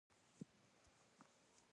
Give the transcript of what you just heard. د پښتو راتلونکی په عمل کې دی.